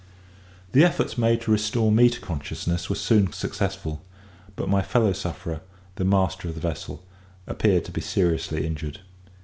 The efforts made to restore me to consciousness were soon successful, but my fellow sufferer, the master of the vessel, appeared to be seriously injured.